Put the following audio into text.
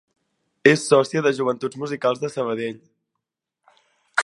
És sòcia de Joventuts Musicals de Sabadell.